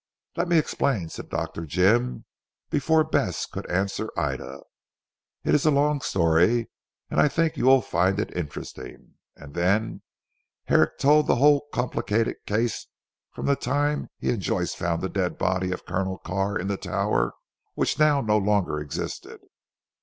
"Let me explain," said Dr. Jim, before Bess could answer Ida, "it is a long story and I think you will find it interesting." And then Herrick told the whole complicated case from the time he and Joyce found the dead body of Colonel Carr in the Tower which now no longer existed.